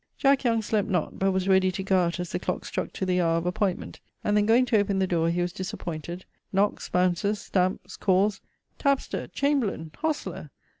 Jack Young slept not, but was ready to goe out as the clock struck to the houre of appointment, and then goeing to open the dore he was disappointed, knocks, bounces, stampes, calls, 'Tapster! Chamberlayne! Hostler!'